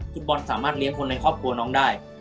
ฟุตบอลสามารถเลี้ยงคนในครอบครัวน้องได้